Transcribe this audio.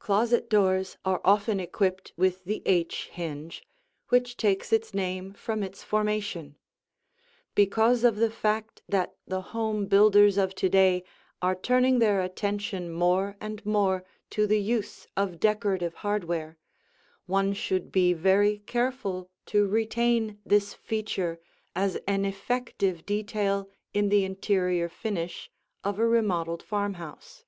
Closet doors often are equipped with the H hinge which takes its name from its formation. Because of the fact that the home builders of to day are turning their attention more and more to the use of decorative hardware, one should be very careful to retain this feature as an effective detail in the interior finish of a remodeled farmhouse.